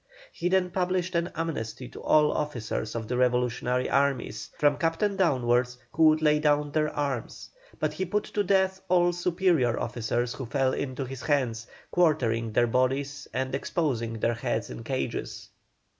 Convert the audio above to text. He then published an amnesty to all officers of the revolutionary armies, from captain downwards, who would lay down their arms, but he put to death all superior officers who fell into his hands, quartering their bodies and exposing their heads in cages.